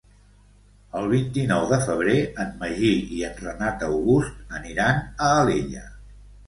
El vint-i-nou de febrer en Magí i en Renat August aniran a Alella.